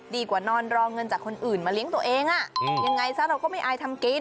ดีกว่านอนรอเงินจากคนอื่นมาเลี้ยงตัวเองยังไงซะเราก็ไม่อายทำกิน